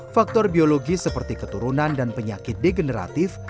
faktor biologis seperti keturunan dan penyakit degeneratif